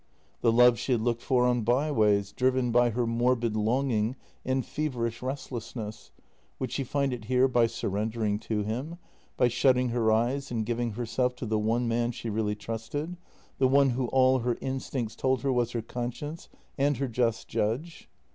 The love she had looked for on byways, driven by her morbid longing and feverish restlessness — would she find it here by surrendering to him, by shutting her eyes and giving herself to the one man she really trusted — the one who all her instincts told her was her conscience and her just judge?